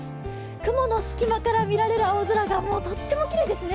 雲の隙間から見られる青空がとってもきれいですね。